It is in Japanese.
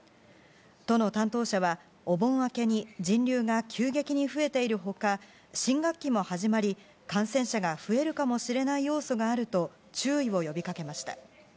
都の担当者は、お盆明けに人流が急激に増えている他新学期も始まり感染者が増えるかもしれない要素があると注意を呼びかけました。